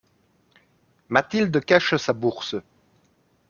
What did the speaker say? Mathilde cache sa bourse.